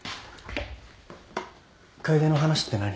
楓の話って何？